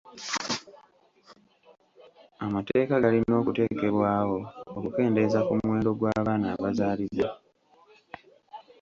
Amateeka galina okuteekebwawo okukendeeza ku muwendo gw'abaana abazaalibwa.